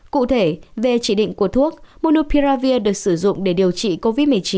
cụ thể về chỉ định của thuốc monopiravir được sử dụng để điều trị covid một mươi chín